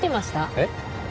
えっ？